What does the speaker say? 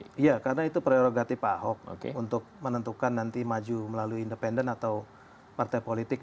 iya karena itu prerogatif pak ahok untuk menentukan nanti maju melalui independen atau partai politik